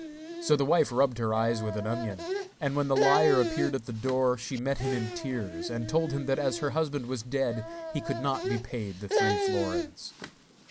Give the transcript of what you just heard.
So the wife rubbed her eyes with an onion, and when the liar appeared at the door, she met him in tears, and told him that as her husband was dead he could not be paid the three florins.